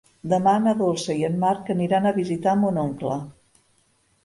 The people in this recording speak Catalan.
Demà na Dolça i en Marc aniran a visitar mon oncle.